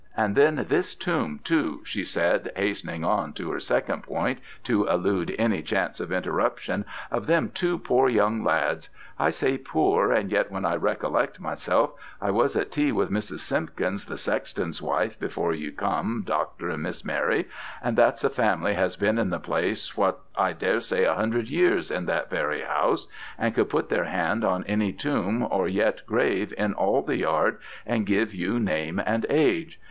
And then this tomb, too,' she said, hastening on to her second point to elude any chance of interruption, 'of them two poor young lads. I say poor, and yet when I recollect myself, I was at tea with Mrs. Simpkins, the sexton's wife, before you come, Doctor and Miss Mary, and that's a family has been in the place, what? I daresay a hundred years in that very house, and could put their hand on any tomb or yet grave in all the yard and give you name and age.